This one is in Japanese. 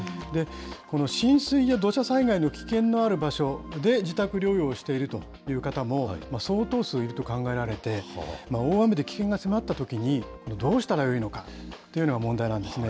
この浸水や土砂災害の危険のある場所で、自宅療養をしているという方も相当数いると考えられて、大雨で危険が迫ったときにどうしたらよいのかというのが問題なんですね。